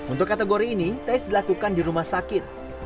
untuk kategori ini tes dilakukan di rumah sakit